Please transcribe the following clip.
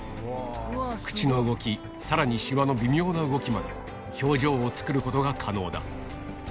口の動き、さらにしわの微妙な動きまで、表情を作ることが可能だ。